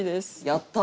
やった！